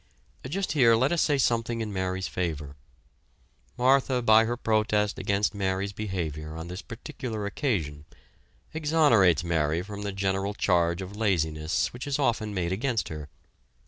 Just here let us say something in Mary's favor. Martha by her protest against Mary's behavior on this particular occasion, exonerates Mary from the general charge of laziness which is often made against her.